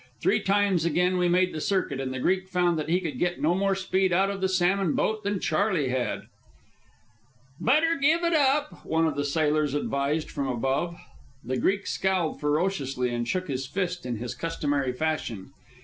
Three times again we made the circuit, and the Greek found that he could get no more speed out of the salmon boat than Charley had. "Better give it up," one of the sailors advised from above. The Greek scowled ferociously and shook his fist in his customary fashion.